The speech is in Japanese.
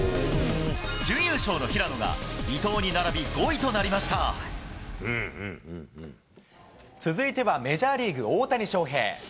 準優勝の平野が伊藤に並び５位と続いてはメジャーリーグ、大谷翔平。